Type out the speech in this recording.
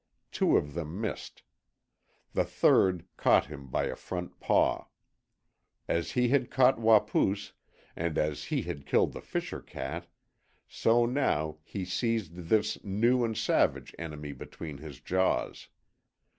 Two of them missed. The third caught him by a front paw. As he had caught Wapoos, and as he had killed the fisher cat, so now he seized this new and savage enemy between his jaws.